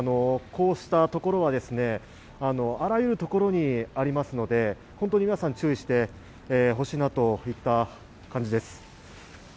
こうしたところはあらゆるところにありますので、本当に皆さん、注意してほしいなといった感じです。